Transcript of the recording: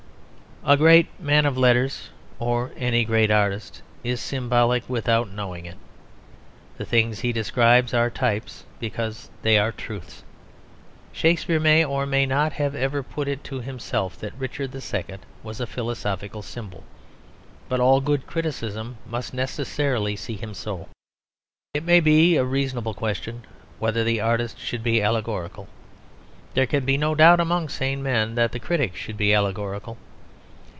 A great man of letters or any great artist is symbolic without knowing it. The things he describes are types because they are truths. Shakespeare may, or may not, have ever put it to himself that Richard the Second was a philosophical symbol; but all good criticism must necessarily see him so. It may be a reasonable question whether the artist should be allegorical. There can be no doubt among sane men that the critic should be allegorical.